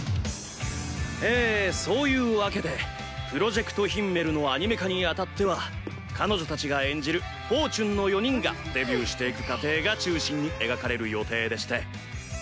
ええそういうわけで「ＰｒｏｊｅｃｔＨｉｍｍｅｌ」のアニメ化にあたっては彼女たちが演じるＣｈｕｎ×４の４人がデビューしていく過程が中心に描かれる予定でして。